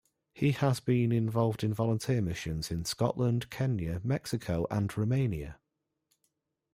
He has been involved in volunteer missions in Scotland, Kenya, Mexico and Romania.